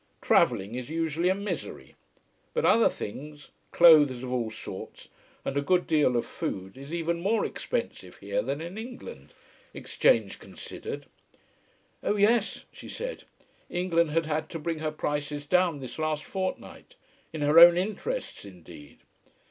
Travelling is usually a misery. But other things, clothes of all sorts, and a good deal of food is even more expensive here than in England, exchange considered. Oh yes, she said, England had had to bring her prices down this last fortnight. In her own interests indeed.